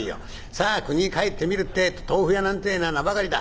さぁ国へ帰ってみるってぇと豆腐屋なんてぇのは名ばかりだ。